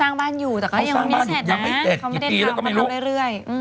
เขาสร้างบ้านอยู่แต่ก็ไม่เสร็จนะเขาไม่ได้ทำก็ทำเรื่อย